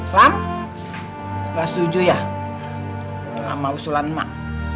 ram gak setuju ya sama usulan emak